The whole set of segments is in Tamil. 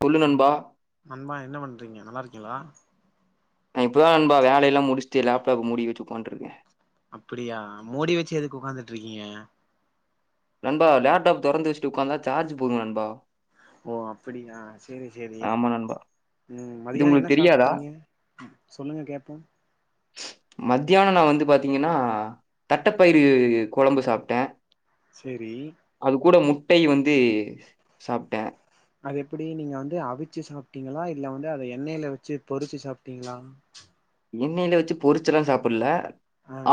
சொல்லு நண்பா நண்பா என்ன பண்றீங்க நல்லா இருக்கீங்களா நா இப்பதா நண்பா வேல எல்லா முடிச்ட்டு லேப்டாப் மூடி வச்சு உக்காண்டுருக்கே அப்டியா மூடி வச்சு எதுக்கு உக்காந்துட்டு இருக்கீங்க நண்பா லேப்டாப் திறந்து வச்சுட்டு உட்காந்தா சார்ஜ் போது நண்பா ஓ அப்படியா சரி சரி ஆமா நண்பா உம் இது மதியானோ என்ன உங்களுக்கு தெரியாதா சாப்ட்டீங்க சொல்லுங்க கேட்போ மத்தியானம் நா வந்து பாத்தீங்கன்னா தட்டப்பயிறு கொழம்பு சாப்ட்டே சரி டையு வந் து சாப்ட்டே அது எப்படி நீங்க வந்து அவிச்சு சாப்ட்டீங்களா இல்ல வந்து அத எண்ணெயில வச்சு பொறிச்சு சாப்ட்டீங்களா எண்ணெயில வச்சு பொறிச்ச எல்லா சாப்பில்ல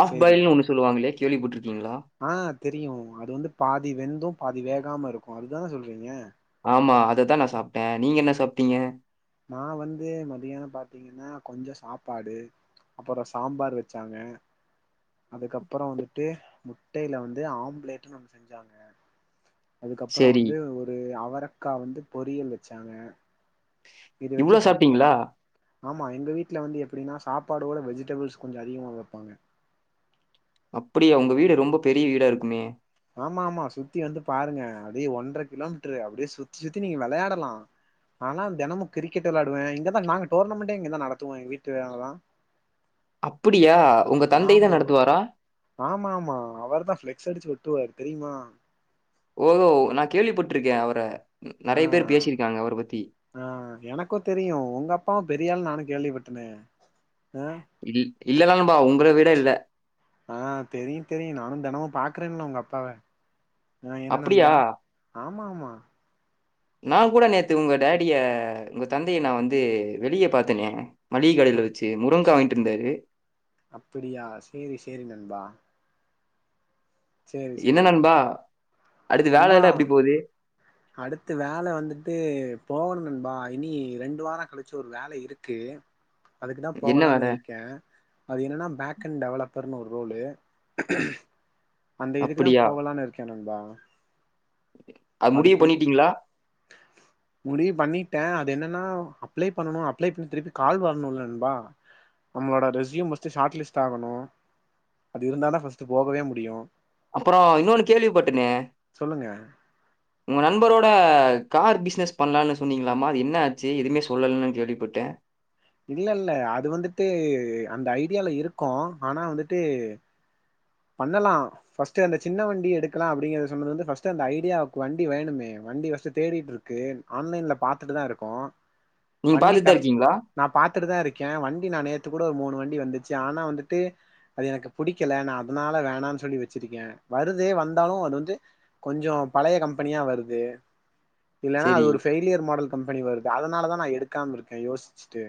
ஆஃப் பாய்ல்னு ஒண்ணு சொல்லுவாங்களே கேள்விப்பட்டுரு ஆஹ் தெரியு அது வந்து பாதி வெந்தும் பாதி வேக காம இருக்கு அது தானே சொல்றீங்க அ நீங்க என்ன சாப்ட்டீங்க நா வந்து மத்தியானம் பாத்தீங்கன்னா கொஞ்சம் சாப்பாடு அப்புறம் சாம்பார் வச்சாங்க அதுக்கப்புறோ வந்துட்டு முட்டையில வந்து ஆம்லேட்னு ஒன்னு செஞ்சாங்க அதுக்கப்புறம் சேரி வந்து ஒரு அவ அக்கா வந்து பொரியல் வச்சாங்க இத வச்சு இவ்வளவு சாப்ட்டோ சாப்டீங்களா ஆமா எங்க வீட்ல வந்து எப்டின்னா சாப்பாடோட வெஜிடபிள்ஸ் கொஞ்ச அதிகமா வப்பாங்க அப்டியா உங்க வீடு ரொம்ப பெரிய வீடா இருக்குமே ஆமா ஆமா சுத்தி வந்து பாருங்க அப்டியே ஒன்ற கிலோ மீட்டரு அப்டியே சுத்தி சுத்தி நீங்க விளையாடலா ஆனா தெனமு கிரிக்கெட் வெளையாடுவே இங்கதா நாங்க டோர்னமெண்டே இங்கதா நடத்துவோ எங்க வீட்டு வேல தா அப்படியா உங்க தந்தை தா ஆமா நடத்துவாரா ஆமா ஆமா அவர் தா பிளெக்ஸ் அடிச்சு ஒட் ஒட்டுவார் தெரியுமா ஓஹோ நா கேள்விப்பட்டுருக்கே அவர ஆ நெறைய பேர் பேசியிருக்காங்க அவர பத்தி. ஆ எனக்கு தெரியு உங்க அப்பா பெரிய ஆள்னு நானு கேள்விப்பட்டனே ஆ இல்லதா நன்பா உங்கள விட இல்ல ஆ தெரியு தெரியு நானு தெனமு பாக்குறேன்ல உங்க அப்பாவ ம் என்ன அப்படியா? நண்பா ஆ ஆமா ஆமா நா கூட நேத்து உங்க டாடிய உங்க தந்தைய நா வந்து வெளிய பாத்தனே அப் அப்படியா சேரி சேரி நண்பா சேரி என்ன சேரி நண்பா அடுத்து வேல நண்பா எல்லா எப்டி போகுது அடுத்து வேல வந்துட்டு போகணு நண்பா இனி ரெண்டு வாரோ கழிச்சு ஒரு வேல இருக்கு அதுக்குதா என்ன வேல? போகலானு இருக்க அது என்னென்னா பேக் அண்ட் டெவலப் பதுனொறு ரோலு அந்த இதுக்குதா அப்படியா? போகலானு இருக்க நண்பா அது முடிவு அதுக்குள் பண்ணிட்டீங்ளா ஏ அது என்னன்னா அப்ளை பண்ணனு அப்ளை பண்ணி திருப்பி கால் வரணும்ல்ல நண்பா நம்மளோட ரெசயூம் பஸ்ட் ஷார்ட்லிஸ்ட் ஆகனு அது இருந்தாதா பஸ்ட்டு போகவே முடியு அப்பறோ இன்னோனு கேள்விப்பட்டனே சொல்லுங்க உங்க நண்பரோட கார் பிஸ்னஸ் பண்ணலான்னு சொன்னீங்களாமா அது என்ன ஆச்சு எதுவுமே சொல்லலுனு கேள்விப்பட்ட இல்ல இல்ல அது வந்துட்டு அந்த ஐடியால இருக்கோ ஆனா வந்துட்டு பண்ணலா பர்ஸ்ட் அந்த சின்ன வண்டி எடுக்கலா அப்படிங்கிறது சொன்னது வந்து பர்ஸ்ட் அந்த ஐடியாவுக்கு வண்டி வேணுமே வண்டி பர்ஸ்ட் தேடிட்டு இருக்கு ஆன்லைன்ல பாத்துட்டுதா இருக்கோ நீங்க வண்டி பார்த்துட்டு தான் கரெக்ட் இருக்கீங்களா? நா பாத்துட்டுதா இருக்க வண்டி நா நேத் நேத்து கூட ஒரு மூணு வண்டி வந்துச்சு ஆனா வந்துட்டு அது எனக்கு புடிக்கல நா அதனால வேணானு சொல்லி வச்சிருக்க வருது வந்தாலு அது வந்து கொஞ்சோ பழைய கம்பெனியா வருது இல்லன்னா சரி. அது ஒரு ஃபெய்லியர் மாடல் கம்பெனி வருது அதனாலதா நா எடுக்காம இருக்க யோசிச்சிட்டு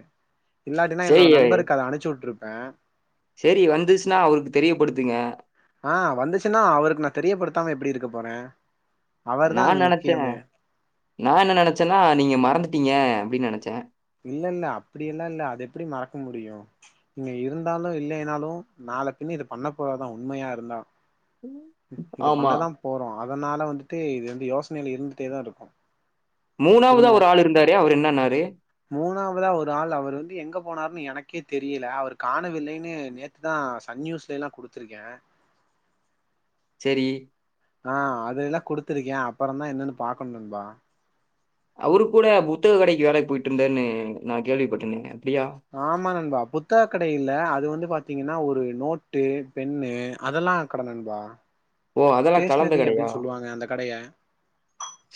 இல்லாட்டினா என்னோட நண்பருக்கு அத அனுப்பிச்சு விட்டிருப் ப சேரி வந்துருச்சுனா அவருக்கு தெரியப்படுத்துங்க ஆஹ் வந்துச்சுனா அவருக்கு நா தெரியப்படுத்தாம எப்படி இருக்க போற நா நெனச்ச நா என்ன நெனச்சனா நீங்க மறந் துட்டீங்க அப்படினு நெனச்ச இல்ல இல்ல அப்படி எல்லா இல்ல அது எப்படி மறக்க முடியு இங்க இருந்தாலு இல்லைனாலு நாளபின்ன இத பண்ண போறதுதா உண்மயா இருந்தா இத ஆமா. பண்ணதா போறோ அதனால வந்துட்டு இது வந்து யோசனையில இருந்துட்டேதா இருக்கு மூணாவதா புரிஞ்ச ஒரு ஆள் இருந்தாரு. அவரு என்னான்னாரு, மூணாவதா ஒரு ஆள் அவர் வந்து எங்க போனாருனு எனக்கு எனக்கே தெரியல அவரு காணவில்லைனு நேத்துதா சன் நியூஸ்ல எல்லா குடுத்துருக்க த்ரி ஆஹ் அது எல்லா குடுத்திருக்க அப்புறந்தா என்னனு பாக்கணு நண்பா அவரு கூட புத்தக கடைக்கு வேலைக்கு போயிட்டு இருந்தாருனு நா கேள்விப்பட்டனே ஆமா நண்பா புத்தக கடை இல்ல அது வந்து பாத்தீங் னா ஒரு நோட்டு பென்னு அதெல்லா கட நண்பா ஓ! அதெல்லாம் கலந்த ஸ்டேஷனரி கடையா? அப்படின்னு சொல்லுவாங்க அந்த கடைய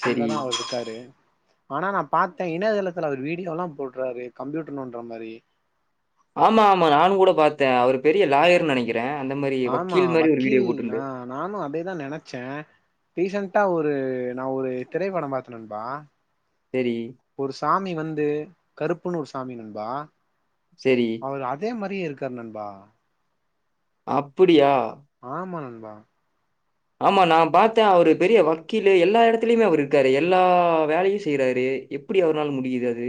சரி. அங்கதான் அவர் இருக்காரு ஆனா நான் பார்த்தேன் இணையதளத்துல அவர் வீடியோ எல்லாம் போடுறாரு கம்ப்யூட்டர் நோன்ற மாதிரி ஆமா ஆமா நானும் கூட பாத் த அவ பெரிய லாயர்னு நினைக்கிறன் ஆமா வக்கீல் ஆ நானும் அதேதான் நினைச்சேன் ரிசெண்டா ஒரு நான் ஒரு திரைப்படம் பார்த்த நண்பா சரி, ஒரு சாமி வந்து கருப் ப்பண்ணூ ஒரு சாமி நண்பா சரி. அவர் அதே மாதிரியே இருக் ர் நண்பா அப்புடியா ஆமா நண்பா ஆமா நான் பார்த்தேன் அவரு பெரிய வக்கீலு எல்லா இடத்துலயுமே அவர் இருக்காரு எல்லா வேலையும் செய்யறாரு எப்படி அவருனால முடியுது அது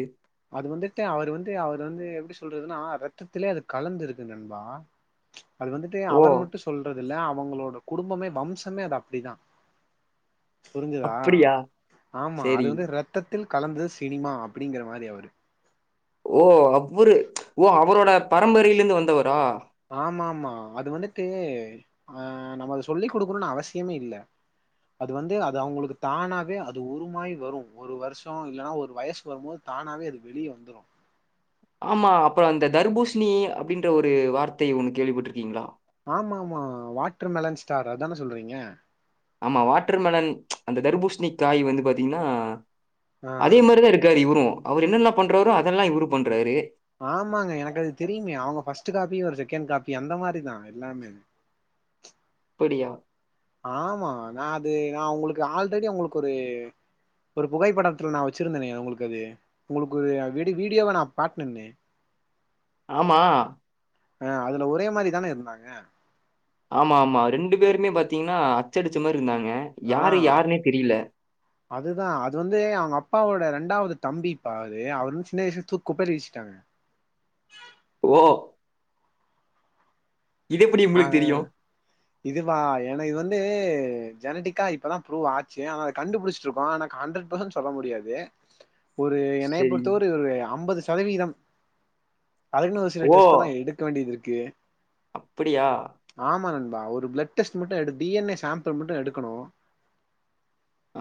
அது வந்துட்டு அவரு வந்து அவர் வந்து எப்படி சொல்றதுன்னா ரத்திலயே அது கலந்து இருக்கு நண்பா அது வந்து ஓ! அவர் மட்டும் சொல்றது இல்ல அவங்களோட குடும்பமே வம்சமே அது அப்படிதான் புரிஞ்சுதா அப்படியா? ஆமா அது சரி. வந்து ரத்த தில் கலந்து சினிமா அப்படிங்கிற மாதிரி அவர் ஓ அவரு ஓ அவரோட பரம்பரையில இருந்து வந்தவரா ஆமா ஆமா அது வந்துட்டு ஆ நம்ம அதை சொல்லி் கொடுக்கணும்னு அவசியமே இல்ல அது வந்து அது அவங்களுக்கு தானாவே அது உருமாய் வரும் ஒரு வருஷம் இல்ன்னா ஒரு வயசு வரும்போது தானாவே அது வெளியே வந்துரும் ஆமா அப்புறம் அந்த தர்பூஷணி அப்படின்ற ஒரு வார்த்தை உனக்கு கேள்விப்பட்டட்டுிருக்கீங்களா ஆமா ஆமா வாட்டர் மெலன் ஸ்டார் அதானே சொல்றீங்க ஆமா வாட்டர் மலன் அந்த தர்பூஷணி காய் வந்து பாத்தீங்கன்னா ஆ அதே மாதிரிதான் இருக்காது இவரும் அவர் என்னெல்லாம் பண்றாரோ அதெல்லாம் இவரு பண்றாரு ஆமாங்க எனக்கு அது தெரியுமே அவங்க ஃபர்ஸ்ட் காப்பி ஒரு செகண்ட் காபி அந்த மாரிதான் எல்லாமே அப்படியா ஆமா நான் அது நான் உங்களுக்கு ஆல்ரெடி உங்களுக்கு ஒரு ஒரு புகைப்படத்துல நான் வச்சிருந்தேனேன் உங்களுக்கு அது உங்களுக்கு ஒரு வீ வீடியோவை நான் பாட்டனேனேன் ஆமா ஆ அதுல ஒரே மாரிதானே இருந்தாங்க ஆமா ஆமா ரெண்டு பேருமே பாத்தீங்கன்னா அச்சடிச்ச மாரி ஆ அதுதான் அது வந்து அவங்க அப்பாவோட ரெண்டாவது தம்பி பாரு அவருும் சின்ன வயச தூ குப்பரி வச்சட்டாங்க ஓ இது எப்படி ஆ உங்களுக்கு தெரியும் இதுவா ஏன்னா இது வந்து ஜெனிட்டிக்கா இப்பதான் ப்ரூவ் ஆச்சு ஆன அத கண்டுபிடிச்சிட்டு இருக்கோம் எனக்கு ஹண்டரட் பர்சன்ட் சொல்ல முடியாது ஒரு என்னைய சரி பொறுத்தவ ஒரு ஒரு அம்பது சதவீதம் அதின ஒரு சில ஓ டெஸ்ட எல்லாம் எடுக்க வேண்டியது இருக்கு கு அப்புடியா பா ஒரு பிளட் டெஸ்ட் மட்டு a D N A sample மட்டு எடுக்கணு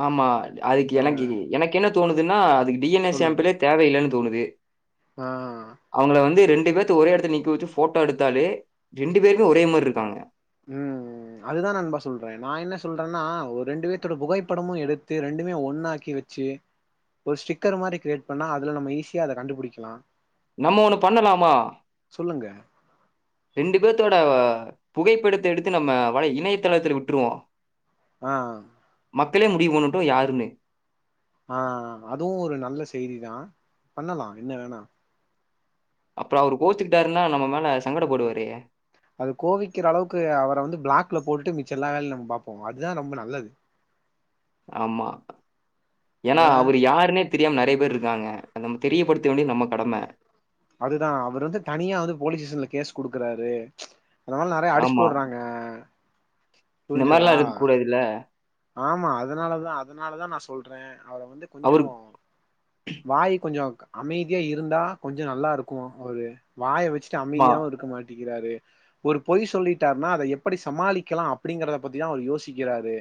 ஆமா அதுக்கு எனக்கு எனக்கு என்ன தோணுதுனா அதுக்கு டி என் ஏ சொல்லுங்க சேம்பிளே தேவையில்லன் தோணுது ஆஹ் அவுங்கள வந்து ரெண்டு பேர்த்த ஒரே எடத்துல நி க்க வச்சு ஃபோட்டோ எடுத்தாலே ரெண்டு பேருமே ஒரே மாரி இருக்காங்க நா என்ன சொல்றன்னா ஒரு ரெண்டு பேத்தோட புகைப்படமு எடுத்து ரெண்டுமே ஒன்னாக்கி வச்சு ஒரு ஸ்டிக்கர் மாரி கிரியேட் பண்ணா அதுல நம்ம ஈஸியா அத கண்டுபுடிக்கலா நம்ம ஒண்ணு பண்ணலாமா சொல்லுங்க ரெண்டு பேத்தோட புகைப்படத்த எடுத்து நம்ம வலை இணையதளத்துல விட்டுருவோ ஆ மக்களே முடிவு பண்ணட்டு யாருன்னு ஆ அதுவு ஒரு நல்ல செய்திதா பண்ணலா என்ன வேணா அப்பறோ அவரு கோச்சிக்கிட்டாருன்னா நம்ம மேல சங்கடப்படுவாரே அது கோவிக்கிற அளவுக்கு அவர வந்து பிளாக்ல போட்டுட்டு மிச்ச எல்லா வேலையு நம்ம பாப்போ அதுதா ரொம்ப நல்லது ஆமா, ஏன்னா ஆ அவரு யாருன்னே தெரியாம நறைய பேரு இருக்காங்க அத தெரியப்படுத்த வேண்டியது நம்ம கடம அதுதா அவர் வந்து தனியா வந்து போலீஸ் ஸ்டேஷன்ல கேஸ் குடுக்குறாரு அதனால நறைய அடிச்சு ஆமா. போட்றாங்க இந்த புரிஞ்சிதா மாரிலாம் இருக்கக்கூடாதுல்ல. ஆமா, அதனாலதா, அதனாலதா நா சொல்றே அவரு வந்து கொஞ்சோ அவரு வாய் கொஞ்சோ அமைதியா இருந்தா கொஞ்சோ நல்லா இருக்கு, அவரு வாய வச் சிட்டு மா அமைதியாவு இருக்க மாட்டி றாரு ஒரு பொய் சொல்லிட்டாருனா அத எப்படி சமாளிக்கலா அப்படிங்கறத பத்திதா அவரு யோசிக்கிறாரு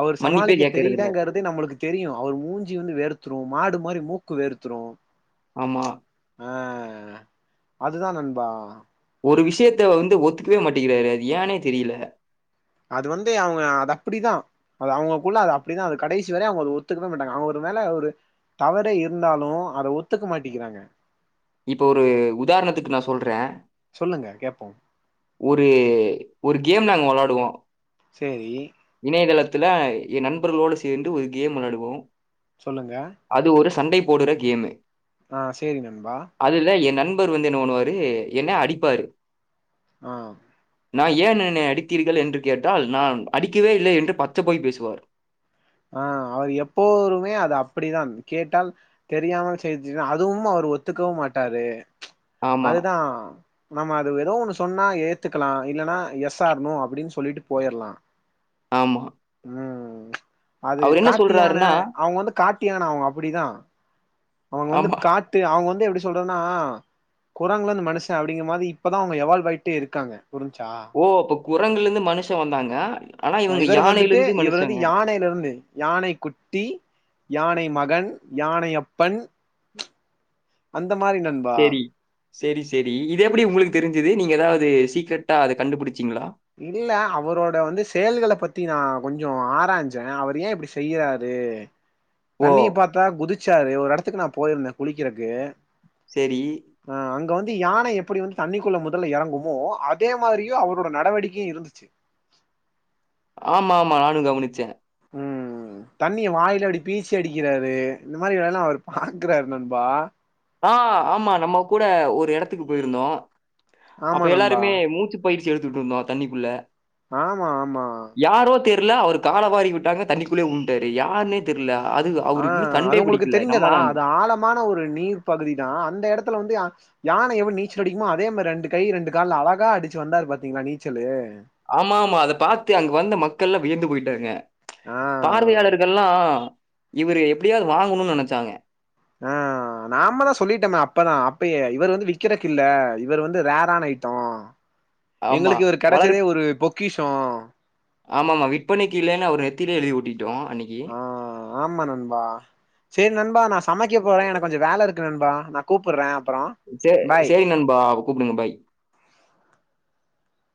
அவரு மன்னிப்பே சமாளிக்க கேட்கறதில்ல. தெரியலங்கறதே நம்மளுக்கு தெரியு அவரு மூஞ்சி வந்து வேர்த்துரு மாடு மாரி மூக்கு வேர்த்துரு ஆமா ஆ அதுதா நண்பா ஒரு விஷயத்த வந்து ஒத்துக்கவே மாட்டிக்கிறாரு அது ஏனே தெரில அது வந்து அவங்க அது அப்பிடிதா அது அவங்களுக்குள்ள அது அப்பிடிதா அது கடைசி வரை அவங்க அத ஒத்துக்கவே மாட்டாங்க அவங்க ஒரு வேள ஒரு தவறே இருந்தாலு அத ஒத்துக்க மாட்டிங்கிறாங்க இப்ப ஒரு உதாரணத்துக்கு நா சொல்றே சொல்லுங்க கேப்போ ஒரு ஒரு கேம் நாங்க வெளாடுவோ சேரி துல எ நண்பர்களோட சேந்து ஒரு கேம் வெளாடுவோ சொல்லுங்க அது ஒரு சண்டை போடுற கேமு ஆ சேரி நண்பா பர் வந்து என்ன வண்ணுவாரு என்ன அடிப்பாரு ஆ நான் ஏன் என்னை அடித்தீர்கள் என்று கேட்டால் நான் அடிக்கவே இல்லை என்று பச்சை பொய் பேசுவார் ஆ அவர் எப்போருமே அது அப்படிதான் கேட்டால் தெரியாமல் செய்தஞ் அதுவும் அவர் ஒத்துக்கவும் மாட்டாரு ஆமா அதுதா நம்ம அது ஏதோ ஒண்ணு சொன் னா ஏத்துக்கலா இல்லனா எஸ் ஆர் நோ அப்டின்னு சொல்லிட்டு போயர்லா ஆமா அது அவர் என்ன காட்டு யான சொல்றாருன்னா அவங்க வந்து காட் டு யான அவங்க அப்படிதா அவங்க வந்து ஆமா காட்டு அவங்க வந்து எப்படி சொல்றன்னா குரங்குலந்து மனுஷ அப்படிங்க மாதி இப்பதா அவங்க எவால்வ் ஆயிட்டே இருக்காங்க புரிஞ்ச்சா குரங்குலருந்து மனுஷ வந்தாங்க ஆனா அ இவங்க இவர் யானையில வந்துட்டு இருந்து இவர் வந்து மனுஷங்க யானையில இருந்து யானை குட்டி யானை மகன் யானை அப்பன் அந்த மாரி நண்பா செரி செரி இதெப்படி உங்களுக்கு தெரிஞ்சது நீங்க எதாவது து சீக்ரெட்டா அத கண்டுபுடித் இல்ல அவுரோட வந்து செயல்கள பத் த்தி நா கொஞ்சோ ஆராஞ்சே அவரு ஏன் இப்புடி செய்யறாரு ஓ தண்ணி பாத்தா குதிச் சரி ஒரு எடத்துக்கு நான் போயிருந்தேன் குளிக்கிறக்கு சரி ஆ அங்க வந் து யான எப்புடி வந்து தண்ணிக்குள்ள முதல்ல எறங்குமோ அதே மாரியும் அவரோட நடவடிக்கையும் இருந்துச்சு ஆமா ஆமா நானும் கவனிச்சே ம் தண்ணிய வாயில அப்டி பீச்சி அடிக்கிறாரு இந்த மாரி வேலல்லா அவரு பாக்குறாரு நண்பா ஆ ஆமா நம்ம கூட ஒரு எடத்துக்கு போயிருந்தோ அப்ப ஆமா நண்பா எல்லாருமே மூச்சுப் பயிற்சி எடுத்துட்ருந்தோ தண்ணிக்குள்ள ஆமா ஆமா யாரோ தெர்ல அவர காலவாரி வுட்டாங்க தண்ணிக்குள்ளேயே வுளுன்ட்டாரு யாருனே தெர்ல அது அவருக்கு இன்னும் ஆஹ் அது கண்டே உங்களுக்கு பிடிக்கல. நம்ம தெரிந்ததா தான். அது ஆழமான ஒரு நீர் பகுதி தான் அந்த இடத்துல வந்து யானை எப்டி நீச்சல் அடிக்குமோ அதே மாரி ரெண்டு கை ரெண்டு கால்ல அழகா அடிச்சு வந்தாரு பாத்தீங்களா நீச்சலு ஆமா ஆமா அத பாத்து அங்க வந்த மக்கள்ளா வியந்து போய்ட்டாங்க ஆ பார்வையாளர்கள்லாம் இவரு எப்டியாவது வாங்கணும்னு நெனச்சாங்க ஆஹ் நாம தான் சொல்லிட்டோமே அப்பதான் அப்பயே இவர் வந்து விக்கிறக்கு இல்ல இவர் வந்து ரேரான ஐட்டோ ஆமா. எங்களுக்கு இவரு வளர் கெடைச்சதே ஒரு பொ பொக்கிஷோ ஆமாமா விற்பனைக்கு இல்லைன்னு அவர் நெத்திலயே எழுதி ஒட்டி ஆஹ் ஆமா நண்பா சேர் நண்பா நான் சமைக்க போறேன் எனக்கு கொஞ்சோ வேல இருக் கு நண்பா நா கூப்புட்றே அப்பறோ சே பாய் சேரி நண்பா கூப்டுங்க பாய்